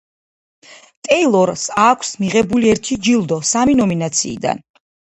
ტეილორ აქვს მიღებული ერთი ჯილდო სამი ნომინაციიდან.